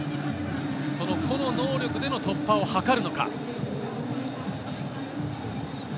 その個の能力での突破を図るのか。